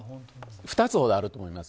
２つほどあると思います。